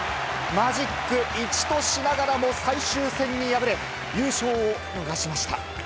マジック１としながらも、最終戦に敗れ、優勝を逃しました。